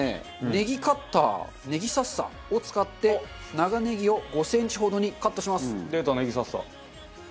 ネギカッターねぎサッサを使って長ネギを５センチほどにカットします。